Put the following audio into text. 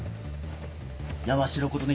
山城琴音